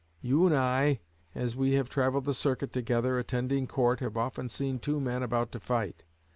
You and I, as we have travelled the circuit together attending court, have often seen two men about to fight.